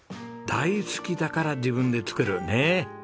大好きだから自分で作るねえ。